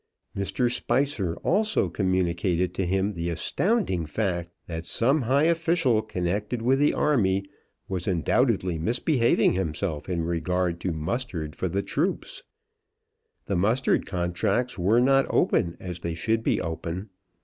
Mr. Spicer also communicated to him the astounding fact that some high official connected with the army was undoubtedly misbehaving himself in regard to mustard for the troops. The mustard contracts were not open as they should be open.